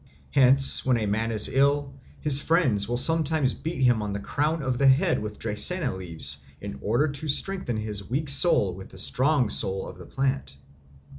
Hence when a man is ill, his friends will sometimes beat him on the crown of the head with Dracaena leaves in order to strengthen his weak soul with the strong soul of the plant.